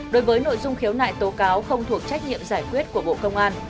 đối với nội dung khiếu nại tố cáo không thuộc trách nhiệm giải quyết của bộ công an